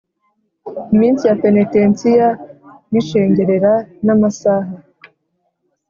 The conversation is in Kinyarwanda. iminsi ya penetensiya n’ishengerera n’amasaha